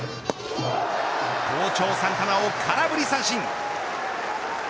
好調サンタナを空振り三振。